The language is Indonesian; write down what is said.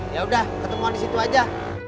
yaudah ketemuan di situ aja